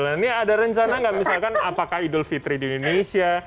ini ada rencana gak misalkan apakah idul fitri di indonesia